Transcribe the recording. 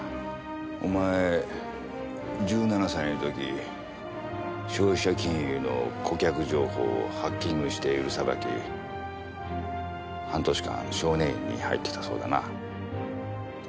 お前１７歳の時消費者金融の顧客情報をハッキングして売りさばき半年間少年院に入ってたそうだな。